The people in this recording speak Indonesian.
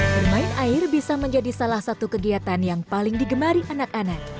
bermain air bisa menjadi salah satu kegiatan yang paling digemari anak anak